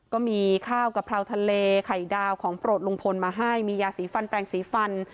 ก็มีข้าวกะเพราทะเลไข่ดาวของโปรดลุงพลมาให้มียาสีฟันแปลงสีฟัน